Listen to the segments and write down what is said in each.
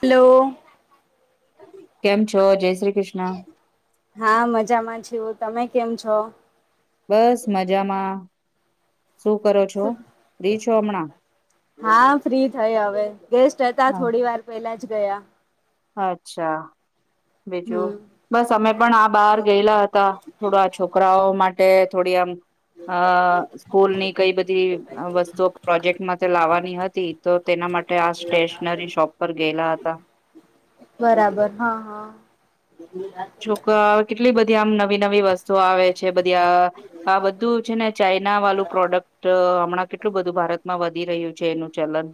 Hello. કેમ છો જય શ્રી કૃષ્ણ હા મજામાં છું તમે કેમ છો બસ મજામાં. શું કરો છો? ર્ફ્રી છો હમણાં? હા ફ્રી થઈ હવે. ગેસ્ટ હતા હા. થોડી વાર પેલા જ ગયા. અચ્છા. બીજું, હમ બસ અમે પણ આ બાર ગયેલા હતા. થોડા છોકરાઓ માટ તે થોડી આમ અ સ્કૂલની કઈ બધી વસ્તુઓ, પ્રોજેક્ટ માટે લાવવાની હતી તો તેના માટે આ સ્ટેશનરી શોપ પર ગયેલા હતા. બરાબર હા હા. જોક કેટલી બધી આમ નવી નવી વસ્તુઓ આવે છે. બધી અહ આ બધું છે ને ચા એના વાળું પ્રોડક્ટ હમણાં કેટલું બધું ભારતમાં વધી રહ્યું છે એનું ચલન. હ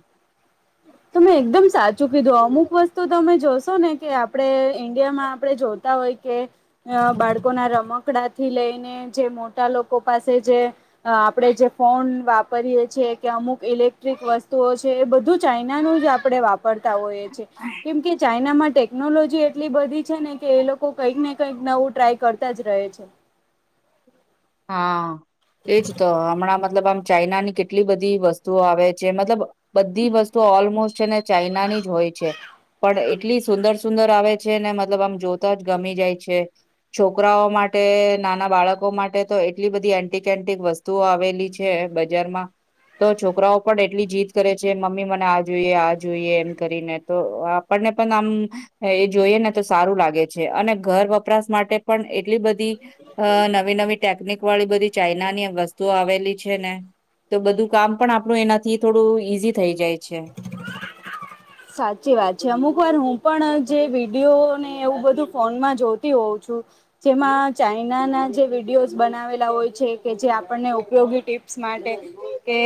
તમે એકદમ સાચું કીધું અમુક વસ્તુ તમે જોશો ને કે આપણે ઈન્ડિયામાં આપણે જોતા હોય. કે બાળકો ના રમકડા થી લઈને જે મોટા લોકો પાસે જે આપણે જે ફોન વાપરીએ છીએ કે અમુક ઇલેક્ટ્રિક વસ્તુઓ છે એ બધું જ ચાઈના ન જ આપે વાપરતા હોઈએ છએ કેમ કે ચાઈના માટે ટેકનોલોજી એટલી બધી છે ને કે એ લોકો કંઈક ને કંઈક નવું ટ્રાય કરતા જ રહે છે [inaudible] હા એજ તો હમણાં મતલબ આમ ચાઈના ની કેટલી બધી વસ્તુઓ આવે છે મતલબ બધી વસ્તુ ઓલમોસ્ટ છેને ચાઈનાની જ હોય છે પણ એટલી સુંદર સુંદર આવે છે ને મતલબ આમ જોતા જ ગમી જાય છે છોકરાઓ માટે માટે નાના બાળકો માટે તો એટલી બધી એન્ટિક એન્ટિક વસ્તુઓ આવેલી છે બજારમાં તો છોકરાઓ પણ એટલી જીદ કરે છે મમ્મી મને આ જોઈએ આ જોઈએ એમ કરીને તો પણ આમ એ જોઈએ ને તો સારું લાગે છે અને ઘર વપરાશ માટે પણ એટલી બધી અ નવી નવી ટેકનિક વાળી બધી ચાઈનાની વસ્તુઓ આવેલી છે ને તો બધું કામ પણ આપણું એનાથી થોડું ઈઝી થઈ જાય છે સાચી વાત છે અમુક વાર હું પણ જે વિડીિયો ને એવું બધું ફોનમાં જોતી હોઉં છું જે ચાઈના ના જે વિડીયો બનાવેલા હોય છે કે જે આપણને ઉપયોગી ટીપ્ માટે કે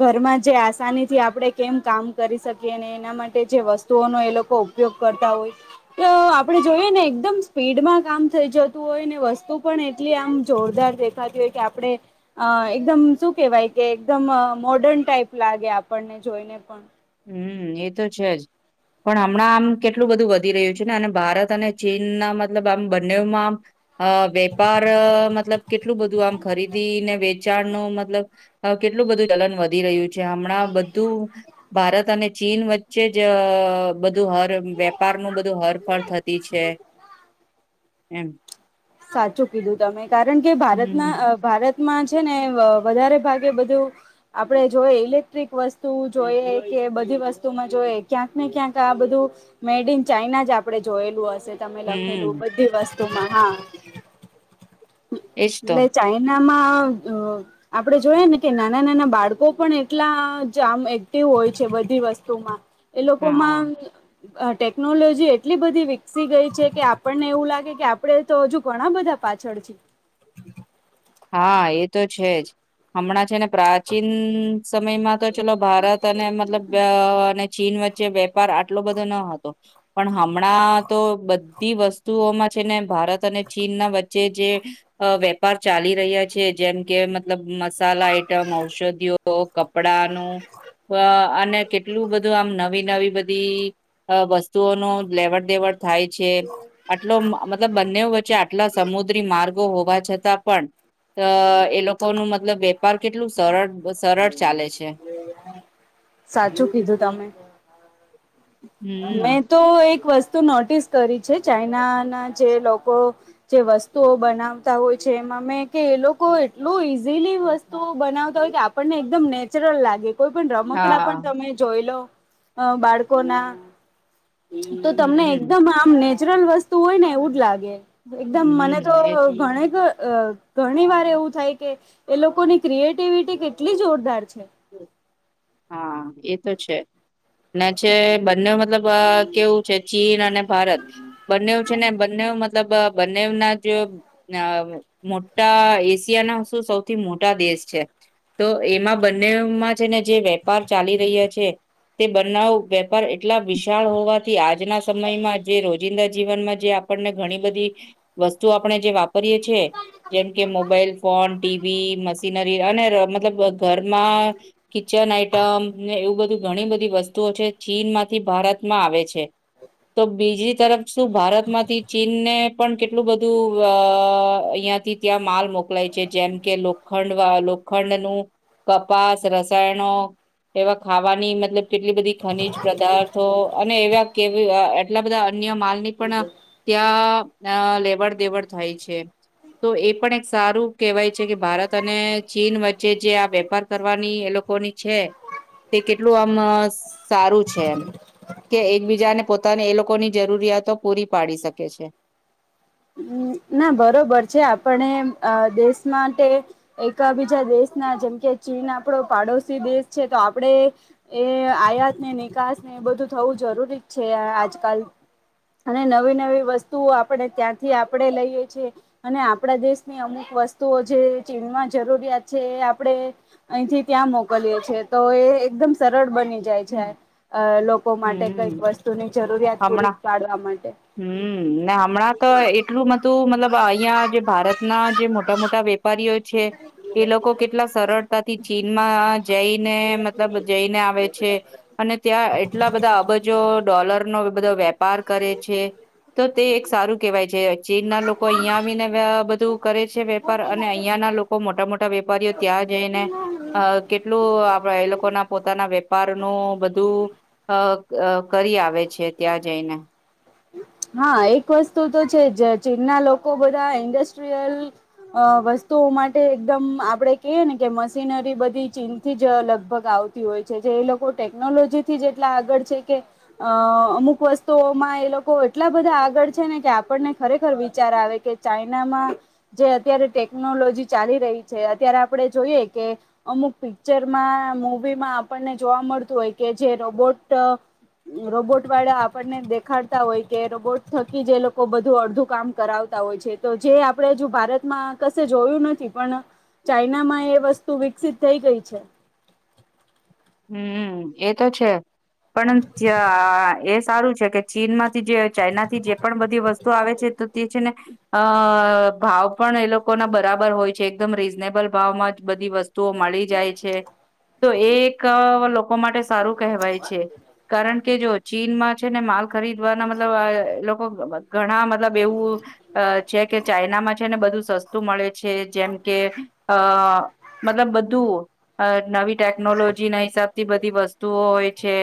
ઘરમાં જે આસાનીથી આપણે કેમ કામ કરી શકીએને એના માટે જે વસ્તુઓનો એ લોકો ઉપયોગ કરતા હોય તો આપણે જોઈએ ને એકદમ સ્પીડમાં કામ થઈ જતું હોય ને વસ્તુ પણ એટલી આમ જોરદાર દેખાતી હોય કે કે આપણે એકદમ શું કેવાય કે એકદમ મોર્ડન ટાઈપ લાગે આપણને જોઈ ને પણ હમ એ તો છે જ પણ હમણાં આમ કેટલું બધું વધી રહ્યું છે ને અને ભારત અને ચીનના મતલબ આમ બંનેમાં આમ અ વેપાર મતલબ કેટલું બધું આમ ખરીદી ને વ વિચાર ન મતલબ કેટલું બધું ચલન વધી રહ્યું છે હમણાં બધું ભારત અને ચીન વચ્ચે જ બધ બધું હર વેપારનુંું બધું હરફળ થતી છે એમ સાચું કીધું તમે કારણ કે હમ ભારતના ભારત માં છે ને વધારે ભાગે બધું આપડણે જોય ઇલેક્ટ્રિક વસ્તુ જોઈએ કે બધી વસ્તુમાં જોઈએ ક્યાંક ને ક્યાંક આ બધું મેડ ઇન ચાઈના જ આપડે જોયેલું તમે લખેલું હમ બધી વસ્તુમાં હા એજ તો એટલે ચઇ આપે જોઈય ને કે નાના નાના બાળકો પણ એટલામ એક્ટિવ હોય છે બધી વસ્તુમાં એ હા લોકોમાં ટેકનોલોજી એટલી બધી વિકસી ગઈ છે કે આપણને એવું લાગે કે આપડે તો હજુ ઘણા બધા પાછળ છે હા એ તો છે જ હમણાં છે ને પ્રાચીન સમયમાં તો ચલો ભારત અને મતલબ ચીન વચ્ચે વેપાર આટલો બધો ન હતો પણ હમણાં તો બધી વસ્તુઓમાં છે ને ભારત અને ચીન ના વચ્ચે જે વેપાર ચાલી રહ્યા છે જેમ કે મતલબ મસાલા આઈટમ ઔષધિઓ કપડાનું અ અને કેટલું બધું આમ નવી નવી બધી અ વસ્તુઓ ન લેવડ દેવડ થાય છે આટલો મતલબ બંને વચ્ચે આટલા સમુદ્રી માર્ગો હોવા છતાં પણ અ એ લોકો નું મતલબ વેપાર કેટલું સરળ સરળ ચાલે છે સાચું કીધું તમે હમ્મ. મેં તો એક વસ્તુ નોટિસ કરી છે ચાઈના ના જે લોકો જે વસ્તુઓ બનાવતા હોય છે એ મે કે એ લોકો એટલું ઈઝીલી વસ્તુઓ બનાવતા હોય કે આપણને એકદમ નેચરલ લાગે કોઈ પણ રમકડા પણ હા તમે જોઈ લો બાળકો ના તો તમને હમ્મ એકદમ આમ નેચરલ વસ્તુ હોય ને એવું જ લાગે એકદમ મને તો હમ્મ એ ગણક અ ઘણી વાર એવું થાય કે એ લોકોની ક્રિએટિવિટી કેટલી જોરદાર છે હા એ તો છે ને છે બંને મતલબ કેવું છે ચીન અને ભારત બંને છે ને બંને મ મતલબ બનેના જે મોટા એશિયા ના શું સૌથી મોટા દેશ તો એમાં બંનેમાં છે ને જે વેપાર ચાલી રહ્યા છે તે બનાવ વેપાર એટલા વિશાળ હોવાથી આજના સમયમાં જે રોજિંદા જીવનમાં જે આપણને ઘણી બધી વસ્તુ આપણે જે વાપરીએે છ છેી જેમ કે મોબાઈલ ફોન ટીવી મશીનરી અને મતલબ ઘરમાં કચ આ ને એવું બધું ઘણી બધી વસ્તુઓ છે ચીન માંથી ભારતમાં આવે છે તો બીજી તરફ શું ભારતમાંથી ચીનને પણ કેટલું બધું અ હતી ત્યાં માલ મો મોકલાય છે જેમ કે લોખંડ લોખંડ નું કપાસ, રસાયણો એવા ખાવાની મતલબ કેટલી બધી ખનીજ પદાર્થો અને એવા કે એટલા બધા અન્ય માલ ની પણ ત્યાં ના લેવડ દેવડ થાય છે. તો એ પણ એક સારું કહેવાય છે કે ભારત અને ચીન વચ્ચે જે આ વેપાર કરવાની એ લોક લોકોની છે તે કેટલું આમ સારું છે એમ. કે એકબીજાને પોતાની એ લોકોની જરૂરિયાતો પૂરી પાડી શકે છે. [unintelligible] ના બરોબર છે આપણે અ દેશ માટે એક બીજા દેશ ના જેમ કે ચીન આપડો પાડોશી દેશ છે તો આપણેે એ આયાત ને નિકાસ ને એ બધું થવું જરૂરી છે આજકાલ અને નવી નવી વસ્તુઓ આપણે ત્યાંથી આપ આપણે લઈએ છીએ અને આપણા દેશની અમુક વસ્તુઓ જે ચીનમાં જરૂરિયાત છે એ આપણે અહીંથી ત્યાં મોકલીએ છે. તો એ એકદમ સરળ બની જાય છે હમ્મ. અ લોકો માટે કઈક વસ્તુની જરૂર હમણાં, હમ્મ ના હમણાં તો એટલું ન મતલબ અહિયાં જે ભારતના જે મોટા મોટા વેપારીઓ છે એ લોકો કેટલા સરળતાથી ચીનમાં જઈને મતલબ જઈને આવે છે અને ત્યાં એટલા બધા અબજો ડોલર નો બધો વેપાર કરે છે. તો તે એક સારું કેહેવાય છે ચીન ના લોકો અહીયાં આવીને અ બધું કરે છે વેપાર અને અહિયાં ના લોકો મોટા મોટા વેપારીઓ ત્યાં જઈને અ કેટલું એ લોકો ના પોતાના વેપાર નું બધું અ અ કરી આવે છે. છે ત્યાં જઈને હા, એક વસ્તુ તો છે જ ચીનના લોકો બધા ઇન્ડસ્ટ્રીયલ અ વસ્તુઓ માટે એકદમ આપડે કીએ ને કે મશીનરી બધી ચીનથી જ લગભગ આવ તી હોય છે જો એ લોકો ટેકનોલોજી થી જેટલા આગળ છે કે અ અમુક વસ્તુઓમાં એ લોકો એટલા બધા આગળ છે ને કે આપણને ખરેખર વિચાર આવે કે ચાઈનામાં જે અત્યારે ટેકનો લોજી ચાલી રહી છે અત્યારે આપણે જોઈએ કે અમુક પિક્ચરમાં મુવીમાં આપણને જોવા મળતું હોય કે જે રોબોટ રોબોટ વાળા આપણને દેખાડતા હોય કે રોબોટ થકી જે લોકો બધું અડધું કામ કરાવતા હોય છે તો જે આપણેે જો ભારતમાં કશે જોયું નથી પણ ચાઈનામાં એ વસ્તુ વિકસિત થઈ ગઈ છે. હમ્મ, એ તો છે પણ આ એ સારું છે કે ચીન માંથી જે ચાઈના થી જે પણ બધી વસ્તુ આવે છે તે છે ને અ ભાવ પણ એ લોકોના બરાબર હોય છે એકદમ રીઝનેબલ ભાવ માં જ બધી વસ્ત તુઓ મળી જાય છે તો એ લોકો માટે સારું કવાય છે. કારણ કે જો ચીનમાં છે ને માલ ખરીદવાના મતલબ અ લોકો ઘણા મતલબ એવું અ છે કે ચાઈનામાં છે ને બધું સસ્તું મળે છે જેમ કે અ મતલબ બધું નવી ટેકનોલો જી ના હિસાબ થી બધી વસ્તુઓ હોય છે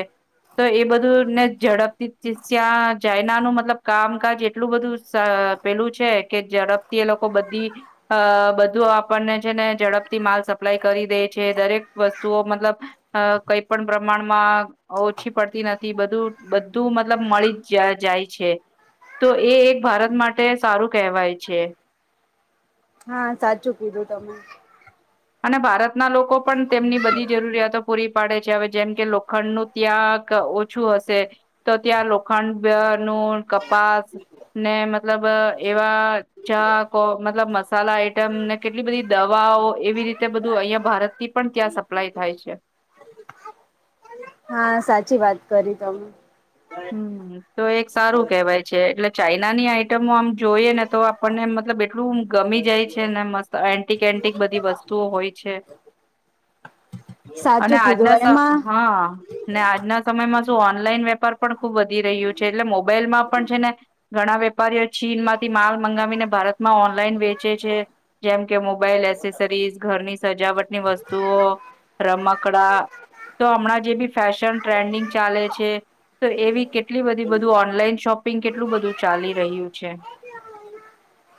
તો એ બધું ને ઝડપથી તયાં ચાયનાનું મતલબ કામકાજ એટલું બધું પેલું છે કે ઝડપથી એ લોકો બધી અ બધું આપણને છે ને ઝડપથી મા સપ્લાય કરી દે છે દરેક વસ્તુઓ મતલબ અ કઈ પણ પ્રમાણમાં ઓછી પડતી નથી, બધું બધું મતલબ મળી જ જાય જાય છે તો એ એક ભારત માટે સારું કહેવાય છે. હા સાચું કીધું તમે. અને ભારતના લોકો પણ તેમની બધી જરૂરિયાતો પૂરી પાડે છે હવે જેમ કે લોખંડ નું ત્યાં ઓછું હશે તો ત્યાં લોખંડ કરૂ કપાસ ને મતલબ એવા ચા કો મતલબ મસાલા આઈટમ ને કેટલી બધી દવાઓ એવી રીતે બધું અહિયાં ભારતથી પણ ત્યાં સપ્લાય થાય છે. હા સાચી વાત કરી તમે. હમ્મ તો એક સારું કેવાય છે એટલે ચાઈનાની આઈટમો આમ જોઈએ ને તો આપણને મતલબ એટલું ગમી જાય છે ને મસ્ત એ એન્ટી એન્ટ બધી વસ્તુઓ હોય છે. અને સાચું કીધું આજના સ એમાં હા ને આજના સમયમાં શું ઓનલાઈન વેપાર પણ ખુબ વધી રહ્યું છે એટલે મોબાઈલમાં પણ છે ને ઘણા વેપારીઓ ચીનમાંથી માલ મંગાવીને ભારતમાં ઓનલાઈન વેચે છે. જેમ કે મોબાઈલ એસેસરીઝ ઘરની સજાવટની વસ્તુઓ રમક કકડા તો હમણાં જે બી ફેશન ટ્રેન્ડિંગ ચાલે છે તો એવી કેટ લી બધી બધું ઓનલાઈન શોપિંગ કેટલું બધું ચાલી રહ્યું છે.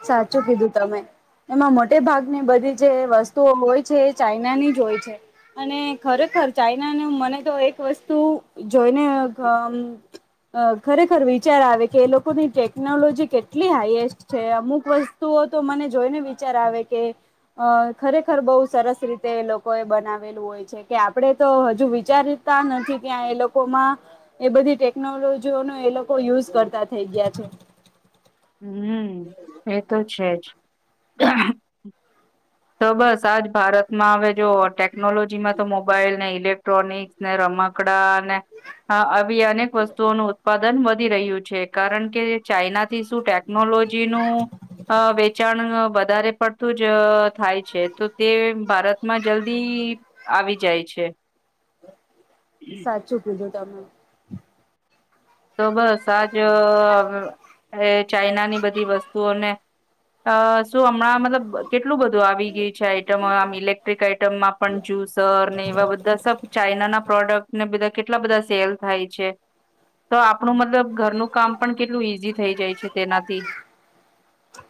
સાચું કીધું તમે. એમાં મોટે ભાગની બધી જે વસ્તુઓ હોય છે એ ચાઈનાની જ હોય છે અને ખરેખ ખર ર્ચાાઈના ને મને તો એક વસ્તુ જોઈને અ અ ખરેખર વિચાર આવે કે એ લોકોની ટેકનોલોજી કેટલી હાઈએસ્ટ છે અમુક વસ્તુઓ તો મને જોઈને વિચાર આવે કે. અ ખરેખર બહુ સરસ રીતે એ લોકો એ બનાવેલું હોય છે કે આપડે તો હજુ વિચાર તા નથી ત્યાં એ લોકોમાં એ બધી ટેકનોલોજીઓનો એ લોકો યુઝ કરતા થઈ ગયા છે. હમ્મ એ તો છેજ. તો બસ આજ ભારતમાં હવે જો ટેકનોલોજી માં તો મોબાઈલ નહી. ઇલેક્ટ્રોનિક્સ ને રમકડા ને હા આવી અનેક વસ્તુઓ નુ ઉત્પાદન વધી રહ્યું છે કારણ કે ચાઈનાથી શું ટેકનોલોજી નું અ વેચા પણ વધારે પડતું જ થાય છે તો તે ભારતમાં જલ્દી આવી જાય છે. સાચું કીધું તમે. તો બસ આજ એ ચાઈનાની બધી વસ્તુઓને અ શું હમણાં મતલબ કેટ એટલું બધું આવી ગયું છે આઈટમ આમ ઇલેક્ટ્રિક આઈટમમાં પણ જ્યુસર ને એવા બધા સબ ચઇના ના પ્રોડક્ટ ને બધા કેટલા બધા સેલ થાય છે. તો આપણું મતલબ ઘરનું કામ પણ કેટલું ઈઝી થઈ જાય છે તેનાથી.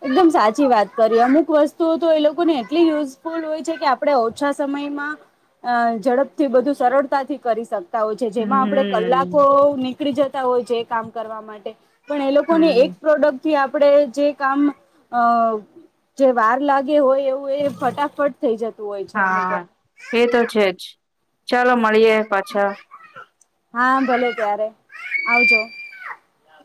એકદમ સાચી વાત કરીએ અમુક વસ્તુઓ તો એ લોકોને એટલી યુઝફુલ હોય છે કે આપડણે ઓછા સમય સમયમાં અ ઝડપથી બધું સરળતાથી કરી શક તા હોય છે જેમાં આપે કલાકો હમ નીકળી જતા હોય છે કામ કરવા માટે. પણ એ લોકો ને એક હમ પ્રોડક્ટ થી આપણેે જે કામ અ જે વાર લાગે હોય એવું એ ફટાફટ થઈ જત હા એ તો છેજ ચાલો મળીએે પાછા. હા ભલે ત્યારે આવજો. [unintelligible]